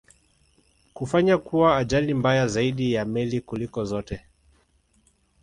kufanya kuwa ajali mbaya zaidi ya meli kuliko zote